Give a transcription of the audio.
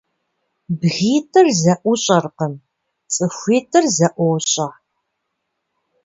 БгитIыр зэIущIэркъым, цIыхуитIыр зэIуощIэ.